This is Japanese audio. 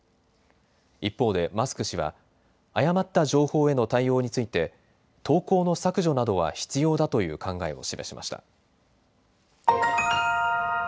一方でマスク氏は誤った情報への対応について投稿の削除などは必要だという考えを示しました。